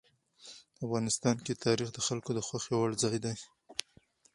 افغانستان کې تاریخ د خلکو د خوښې وړ ځای دی.